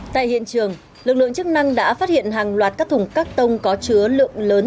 tại hiện trường lực lượng chức năng đã phát hiện hàng loạt các thùng cắt tông có chứa lượng lớn